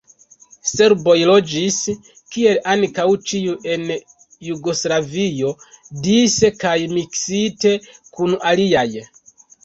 Serboj loĝis, kiel ankaŭ ĉiuj en Jugoslavio, dise kaj miksite kun aliaj.